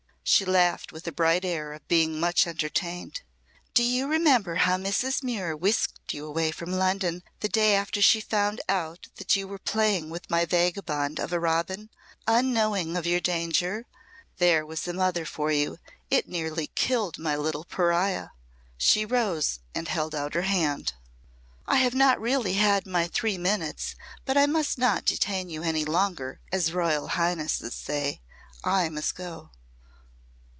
She laughed with a bright air of being much entertained. "Do you remember how Mrs. Muir whisked you away from London the day after she found out that you were playing with my vagabond of a Robin unknowing of your danger? There was a mother for you! It nearly killed my little pariah." She rose and held out her hand. "I have not really had my three minutes, but 'I must not detain you any longer,' as Royal Highnesses say. I must go."